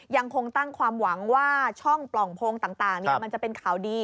ยังคงตั้งความหวังว่าช่องปล่องโพงต่างมันจะเป็นข่าวดี